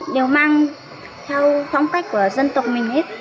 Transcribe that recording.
đều mang theo phong cách của dân tộc mình ít